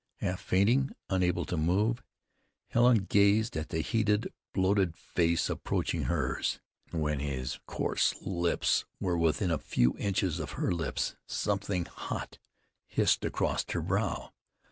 Half fainting, unable to move, Helen gazed at the heated, bloated face approaching hers. When his coarse lips were within a few inches of her lips something hot hissed across her brow.